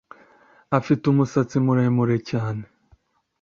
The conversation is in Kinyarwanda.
Afite umusatsi muremure cyane